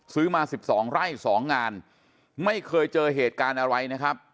ซื้อมา๑๒ไร่๒งานไม่เคยเจอเหตุการณ์อะไรนะครับ